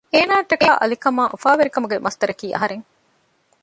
އޭނާއަށްޓަކައި އަލިކަމާއި އުފާވެރިކަމުގެ މަޞްދަރަކީ އަހަރެން